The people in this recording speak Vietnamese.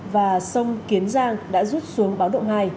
và sông kiến giang đã rút xuống báo động hai